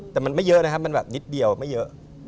แต่มันไม่เยอะนะครับมันแบบนิดเดียวไม่เยอะ